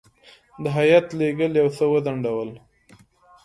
د هیات لېږل یو څه وځنډول.